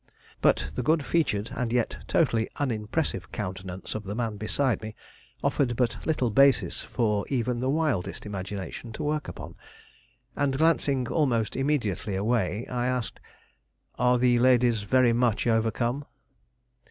But the good featured and yet totally unimpressive countenance of the man beside me offered but little basis for even the wildest imagination to work upon, and, glancing almost immediately away, I asked: "Are the ladies very much overcome?"